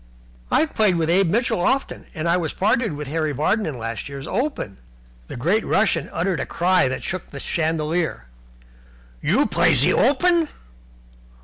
"I've played with Abe Mitchell often, and I was partnered with Harry Vardon in last year's Open." The great Russian uttered a cry that shook the chandelier. "You play in ze Open?